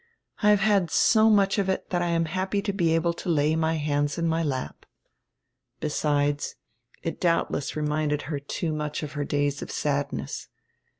"I have had so much of it that I am happy to be able to lay my hands in my lap." Besides, it doubtless reminded her too much of her days of sadness.